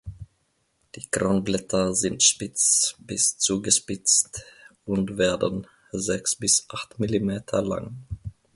Die Kronblätter sind spitz bis zugespitzt und werden sechs bis acht Millimeter lang.